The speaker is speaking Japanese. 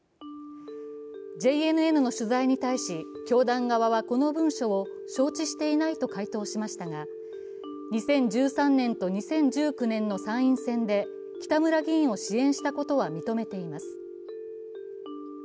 ＪＮＮの取材に対し教団側はこの文書を承知していないと回答しましたが、２０１３年と２０１９年の参院選で北村議員を支援したことは認めています。